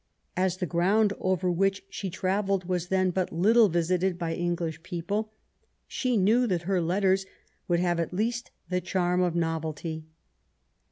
As the ground over which she travelled was then but little visited by English people, she knew that her letters would have at least the charm of novelty.